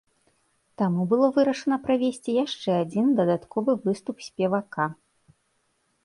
Таму было вырашана правесці яшчэ адзін дадатковы выступ спевака.